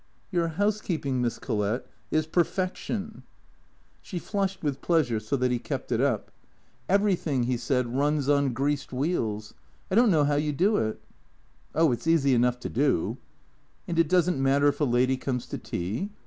"Your housekeeping, Miss Collett, is perfection." She flushed with pleasure, so that he kept it up. " Everything," he said, " runs on greased wheels. I don't know how you do it." " Oh, it 's easy enough to do." " And it does n't matter if a lady comes to tea